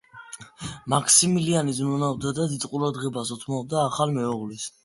მაქსიმილიანი ზრუნავდა და დიდ ყურადღებას უთმობდა ახალ მეუღლეს.